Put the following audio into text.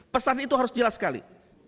pesan itu harus jelas sekali